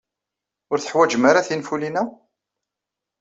Ur teḥwajem ara tinfulin-a?